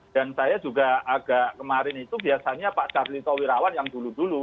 dan saya juga agak kemarin itu biasanya pak carlito wirawan yang dulu dulu